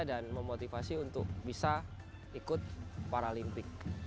memotivasi untuk bisa ikut paralimpik